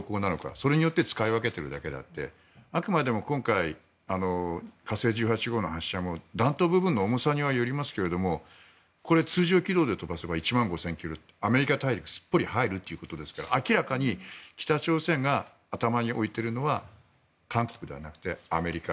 それによって使い分けているだけであくまでも今回火星１８の発射も弾頭部分の重さにもよりますがこれ、通常軌道で飛ばせば１万５０００ｋｍアメリカ大陸がすっぽり入るということですから明らかに北朝鮮が頭に置いているのは韓国ではなくてアメリカ。